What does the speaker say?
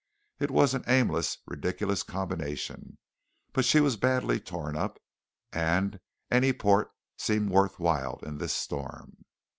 It was an aimless, ridiculous combination, but she was badly torn up, and any port seemed worth while in this storm.